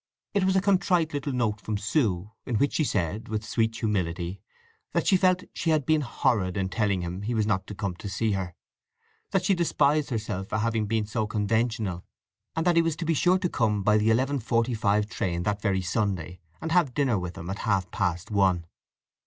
It was a contrite little note from Sue, in which she said, with sweet humility, that she felt she had been horrid in telling him he was not to come to see her, that she despised herself for having been so conventional; and that he was to be sure to come by the eleven forty five train that very Sunday, and have dinner with them at half past one.